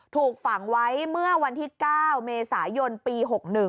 ถูกฝังไว้เมื่อวันที่๙เมษายนปี๖๑